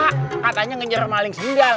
katanya ngejar maling sendiri